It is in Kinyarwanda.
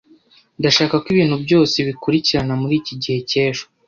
Ndashaka ko ibintu byose bikurikirana muri iki gihe cy'ejo.